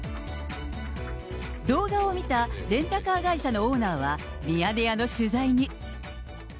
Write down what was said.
動画を見たレンタカー会社のオーナーは、ミヤネ屋の取材に。